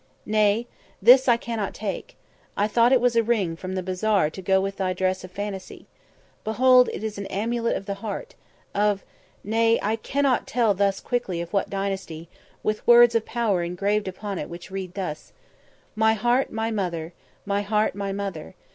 "Nay, this I cannot take. I thought it was a ring from the bazaar to go with thy dress of fantasy. Behold, it is an amulet of the heart, of nay, I cannot tell thus quickly of what dynasty with words of power engraved upon it which read thus: "'_My heart, my mother; my heart, my mother.